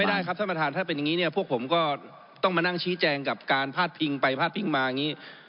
ได้ครับท่านประธานถ้าเป็นอย่างนี้เนี่ยพวกผมก็ต้องมานั่งชี้แจงกับการพาดพิงไปพาดพิงมาอย่างนี้